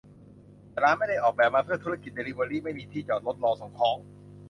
แต่ร้านไม่ได้ออกแบบมาเพื่อธุรกิจเดลิเวอรี ไม่มีที่จอดรถรอส่งของ